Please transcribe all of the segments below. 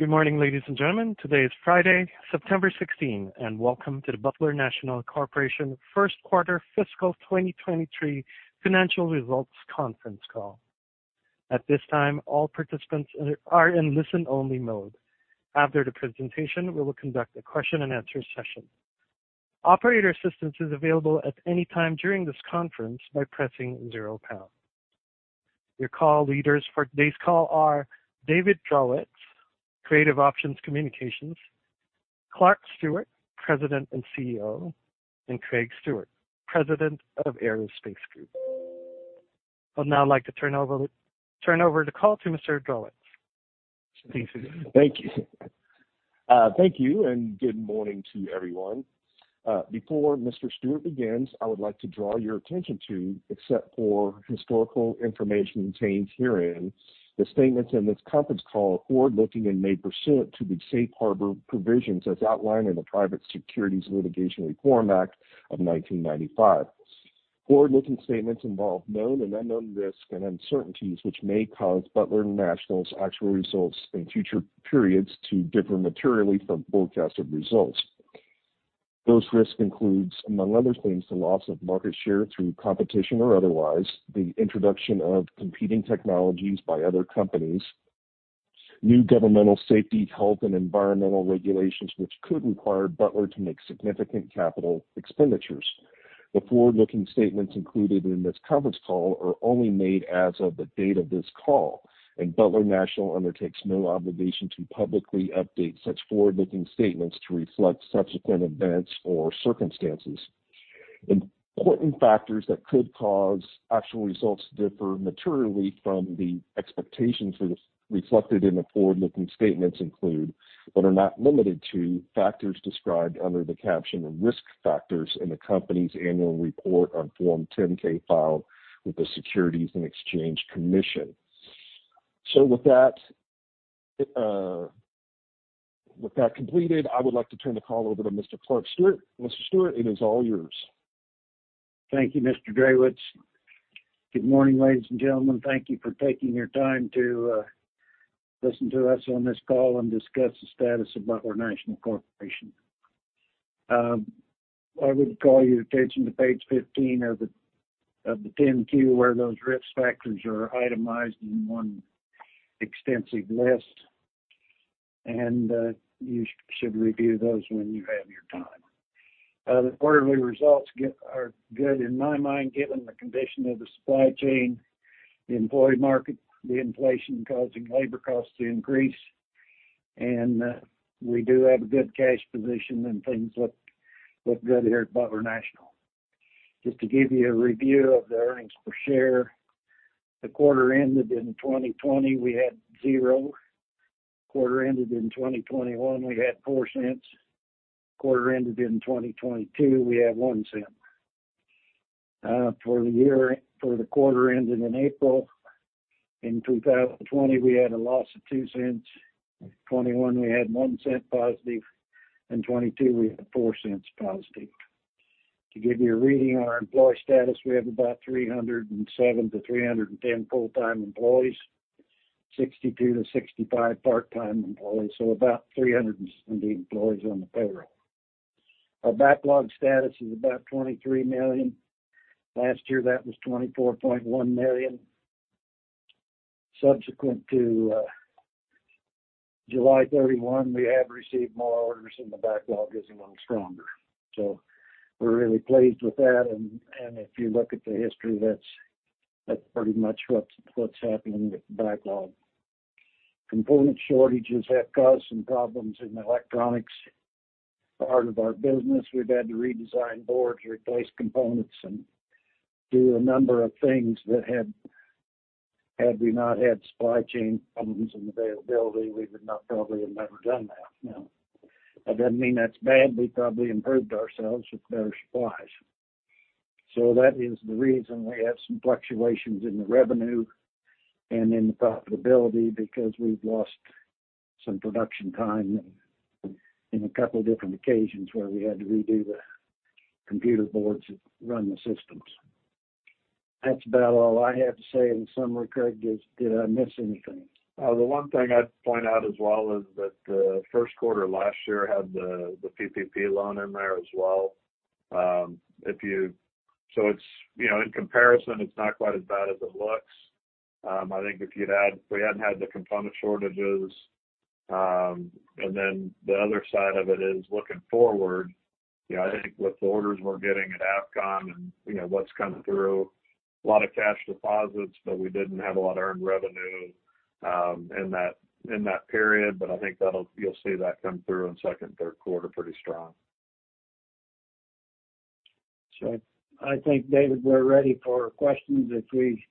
Good morning, ladies and gentlemen. Today is Friday, September 16, and welcome to the Butler National Corporation first quarter fiscal 2023 financial results conference call. At this time, all participants are in listen-only mode. After the presentation, we will conduct a question-and-answer session. Operator assistance is available at any time during this conference by pressing zero pound. Your call leaders for today's call are David Drewitz, Creative Options Communications, Clark Stewart, President and CEO, and Craig Stewart, President of Aerospace Group. I'd now like to turn over the call to Mr. Drewitz. Please begin. Thank you. Thank you, and good morning to everyone. Before Mr. Stewart begins, I would like to draw your attention to, except for historical information contained herein, the statements in this conference call are forward-looking and made pursuant to the Safe Harbor provisions as outlined in the Private Securities Litigation Reform Act of 1995. Forward-looking statements involve known and unknown risks and uncertainties which may cause Butler National's actual results in future periods to differ materially from forecasted results. Those risks includes, among other things, the loss of market share through competition or otherwise, the introduction of competing technologies by other companies, new governmental safety, health, and environmental regulations which could require Butler to make significant capital expenditures. The forward-looking statements included in this conference call are only made as of the date of this call, and Butler National undertakes no obligation to publicly update such forward-looking statements to reflect subsequent events or circumstances. Important factors that could cause actual results to differ materially from the expectations reflected in the forward-looking statements include, but are not limited to, factors described under the caption of Risk Factors in the company's annual report on Form 10-K filed with the Securities and Exchange Commission. With that completed, I would like to turn the call over to Mr. Clark Stewart. Mr. Stewart, it is all yours. Thank you, Mr. Drewitz. Good morning, ladies and gentlemen. Thank you for taking your time to listen to us on this call and discuss the status of Butler National Corporation. I would call your attention to page 15 of the 10-Q, where those risk factors are itemized in one extensive list, and you should review those when you have your time. The quarterly results are good in my mind, given the condition of the supply chain, the employee market, the inflation causing labor costs to increase, and we do have a good cash position and things look good here at Butler National. Just to give you a review of the earnings per share. The quarter ended in 2020, we had $0.00. Quarter ended in 2021, we had $0.04. Quarter ended in 2022, we had $0.01. For the quarter ended in April, in 2020, we had a loss of $0.02. In 2021, we had $0.01 positive, and 2022, we had $0.04 positive. To give you a reading on our employee status, we have about 307-310 full-time employees, 62-65 part-time employees, so about 370 employees on the payroll. Our backlog status is about $23 million. Last year, that was $24.1 million. Subsequent to July 31, we have received more orders, and the backlog is a little stronger. We're really pleased with that, and if you look at the history, that's pretty much what's happening with the backlog. Component shortages have caused some problems in the electronics part of our business. We've had to redesign boards, replace components, and do a number of things that had we not had supply chain problems and availability, we would not probably have ever done that, you know? That doesn't mean that's bad. We probably improved ourselves with better supplies. That is the reason we have some fluctuations in the revenue and in the profitability, because we've lost some production time in a couple different occasions where we had to redo the computer boards that run the systems. That's about all I have to say. In summary, Craig, did I miss anything? The one thing I'd point out as well is that first quarter last year had the PPP loan in there as well. It's, you know, in comparison, it's not quite as bad as it looks. I think if we hadn't had the component shortages. The other side of it is looking forward. You know, I think with the orders we're getting at Avcon and, you know, what's come through, a lot of cash deposits, but we didn't have a lot of earned revenue in that period. I think you'll see that come through in second and third quarter pretty strong. I think, David, we're ready for questions if we-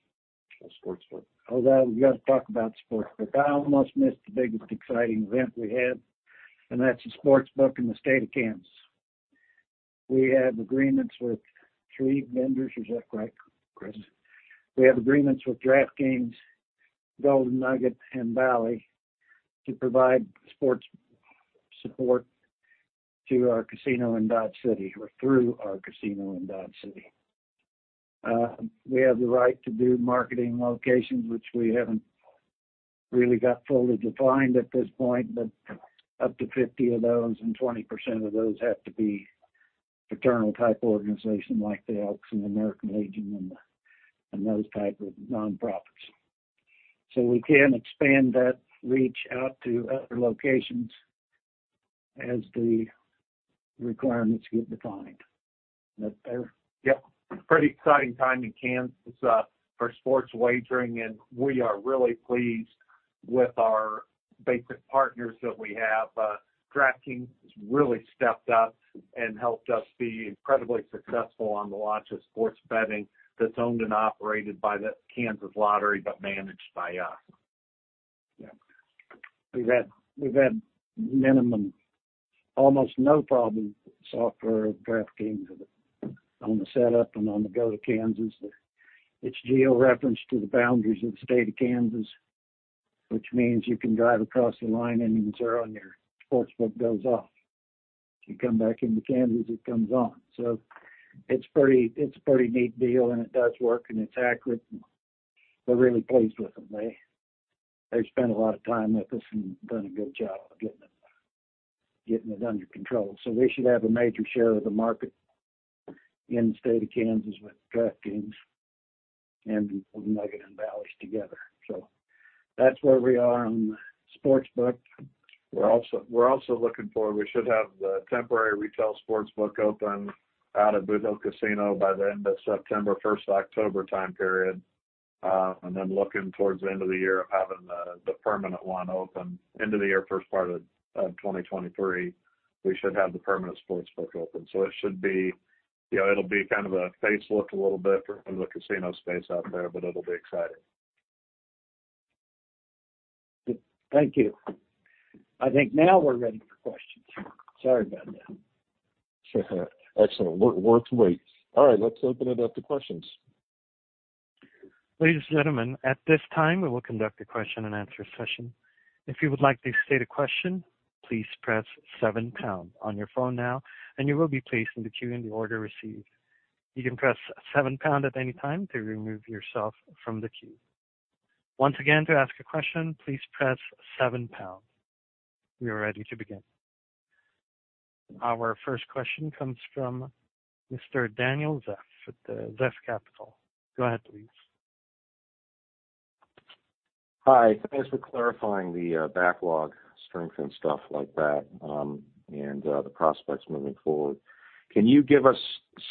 The sportsbook. Oh, that. We've got to talk about the sportsbook. I almost missed the biggest exciting event we had, and that's the sportsbook in the state of Kansas. We have agreements with three vendors. Is that right, Craig? Yes. We have agreements with DraftKings, Golden Nugget, and Bally's to provide sports support to our casino in Dodge City or through our casino in Dodge City. We have the right to do marketing locations, which we haven't really got fully defined at this point, but up to 50 of those and 20% of those have to be fraternal-type organization like the Elks and American Legion and those type of nonprofits. We can expand that reach out to other locations as the requirements get defined. Is that fair? Yep. Pretty exciting time in Kansas for sports wagering. We are really pleased with our key partners that we have. DraftKings has really stepped up and helped us be incredibly successful on the launch of sports betting that's owned and operated by the Kansas Lottery, but managed by us. Yeah. We've had minimum, almost no problem with the software of DraftKings on the setup and on the go-live in Kansas. It's geo-referenced to the boundaries of the state of Kansas, which means you can drive across the line into Missouri and your sportsbook goes off. If you come back into Kansas, it comes on. It's a pretty neat deal, and it does work, and it's accurate. We're really pleased with them. They've spent a lot of time with us and done a good job of getting it under control. We should have a major share of the market in the state of Kansas with DraftKings and Golden Nugget and Bally's together. That's where we are on the sportsbook. We should have the temporary retail sportsbook open out of Boot Hill Casino by the end of September, 1st of October time period. Then looking towards the end of the year of having the permanent one open. End of the year, first part of 2023, we should have the permanent sportsbook open. It should be. You know, it'll be kind of a face lift a little bit from the casino space out there, but it'll be exciting. Thank you. I think now we're ready for questions. Sorry about that. Sure. Excellent. Worth the wait. All right, let's open it up to questions. Ladies and gentlemen, at this time, we will conduct a question-and-answer session. If you would like to state a question, please press seven pound on your phone now, and you will be placed into queue in the order received. You can press seven pound at any time to remove yourself from the queue. Once again, to ask a question, please press seven pound. We are ready to begin. Our first question comes from Mr. Daniel Zeff with Zeff Capital. Go ahead, please. Hi. Thanks for clarifying the backlog strength and stuff like that, and the prospects moving forward. Can you give us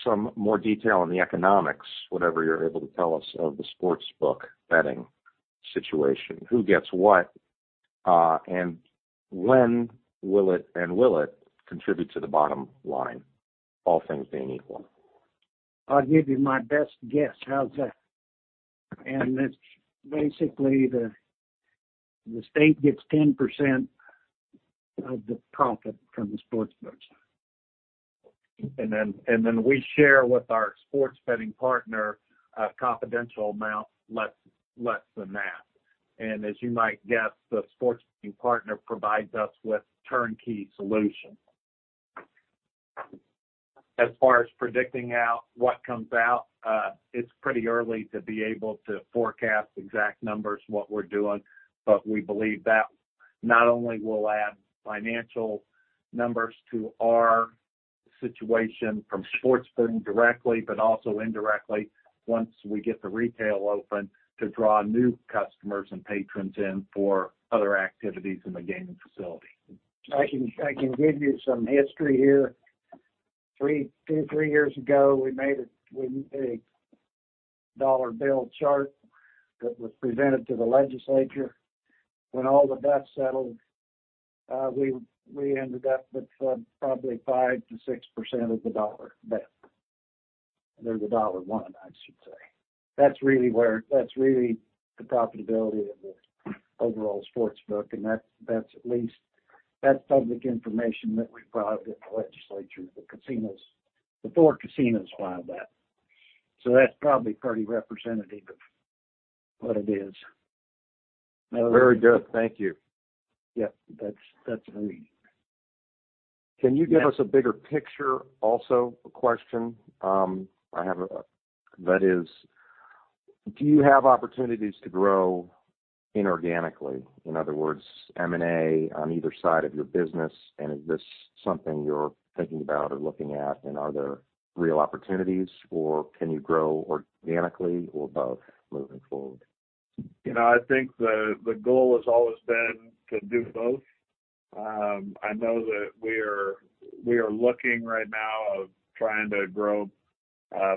some more detail on the economics, whatever you're able to tell us, of the sportsbook betting situation? Who gets what, and when will it contribute to the bottom line, all things being equal? I'll give you my best guess. How's that? It's basically the state gets 10% of the profit from the sportsbook side. We share with our sports betting partner a confidential amount less than that. As you might guess, the sports betting partner provides us with turnkey solution. As far as predicting out what comes out, it's pretty early to be able to forecast exact numbers what we're doing. We believe that not only will add financial numbers to our situation from sports betting directly, but also indirectly once we get the retail open to draw new customers and patrons in for other activities in the gaming facility. I can give you some history here. Two to three years ago, we made a dollar bill chart that was presented to the legislature. When all the dust settled, we ended up with probably 5%-6% of the dollar bet. Or the dollar one, I should say. That's really the profitability of the overall sportsbook, and that's at least public information that we provided to the legislature, the casinos. The four casinos filed that. That's probably pretty representative of what it is. Very good. Thank you. Yeah. That's me. Can you give us a bigger picture? Also, a question, do you have opportunities to grow inorganically? In other words, M&A on either side of your business, and is this something you're thinking about or looking at, and are there real opportunities, or can you grow organically or both moving forward? You know, I think the goal has always been to do both. I know that we are looking right now of trying to grow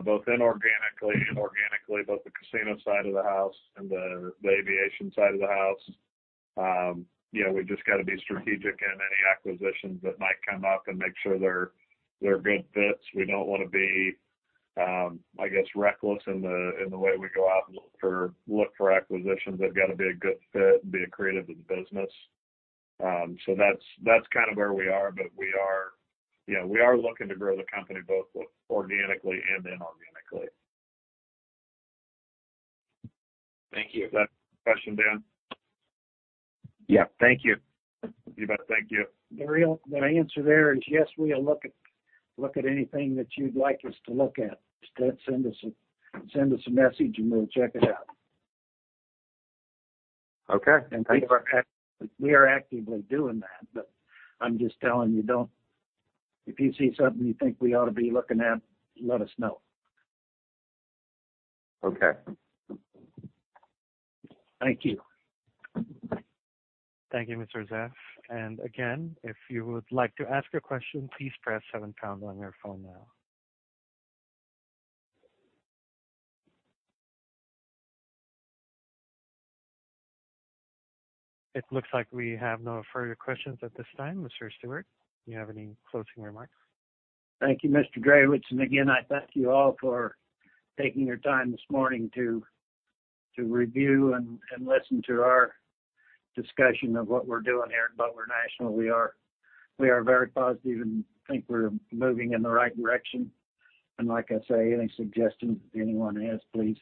both inorganically and organically, both the casino side of the house and the aviation side of the house. You know, we just got to be strategic in any acquisitions that might come up and make sure they're good fits. We don't wanna be, I guess, reckless in the way we go out and look for acquisitions. They've got to be a good fit and be accretive to the business. That's kind of where we are. You know, we are looking to grow the company both organically and inorganically. Thank you. Is that the question, Daniel? Yeah. Thank you. You bet. Thank you. The answer there is yes, we'll look at anything that you'd like us to look at. Just send us a message, and we'll check it out. Okay. Thank you. We are actively doing that. I'm just telling you, don't. If you see something you think we ought to be looking at, let us know. Okay. Thank you. Thank you, Mr. Zeff. Again, if you would like to ask a question, please press seven pound on your phone now. It looks like we have no further questions at this time. Mr. Stewart, do you have any closing remarks? Thank you, Mr. Drewitz. Again, I thank you all for taking your time this morning to review and listen to our discussion of what we're doing here at Butler National. We are very positive and think we're moving in the right direction. Like I say, any suggestions anyone has, please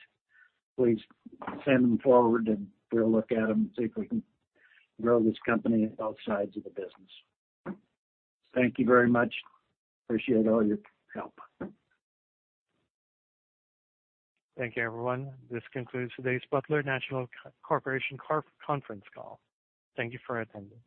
send them forward, and we'll look at them and see if we can grow this company on both sides of the business. Thank you very much. Appreciate all your help. Thank you, everyone. This concludes today's Butler National Corporation conference call. Thank you for attending.